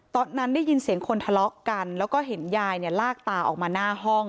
ตอนนั้นได้ยินเสียงคนทะเลาะกันแล้วก็เห็นยายเนี่ยลากตาออกมาหน้าห้อง